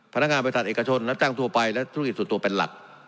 พนักงานบริษัทเอกชนรับจ้างทั่วไปและธุรกิจส่วนตัวเป็นหลัก